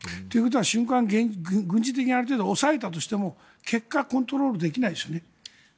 ということは軍事的に押さえたとしても結果、コントロールできないですよね？